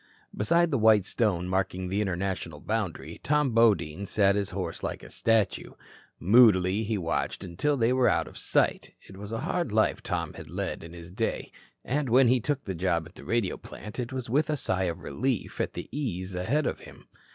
Beside the white stone marking the international boundary, Tom Bodine sat his horse like a statue. Moodily he watched until they were out of sight. It was a hard life Tom had led in his day and when he took the job at the radio plant it was with a sigh of relief at the ease ahead of him.